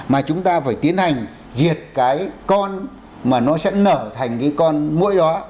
mà chúng ta phải tiến hành diệt cái con mà nó sẽ nở thành cái con mũi đó